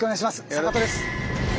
坂戸です。